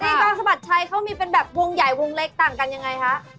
ตอนสะบัดชัยเขามีเป็นแบบวงใหญ่วงเล็กต่างกันยังไงคะ